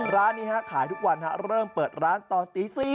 ร้านนี้ขายทุกวันเริ่มเปิดร้านตอนตี๔